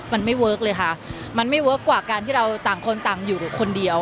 มันไม่เวิร์คเลยค่ะมันไม่เวิร์คกว่าการที่เราต่างคนต่างอยู่คนเดียว